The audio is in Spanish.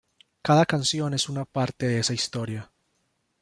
Cada canción es una parte de esa historia.